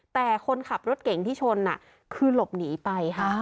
แต่คนขับรถเก่งที่ชนคือหลบหนีไปค่ะ